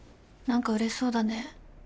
何かうれしそうだね。